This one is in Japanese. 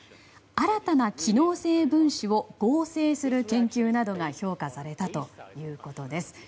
新たな機能性分子を合成する研究などが評価されたということです。